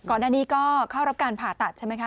ก่อนหน้านี้ก็เข้ารับการผ่าตัดใช่ไหมคะ